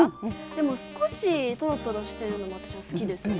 でも少しとろとろしてるのも私は好きですね。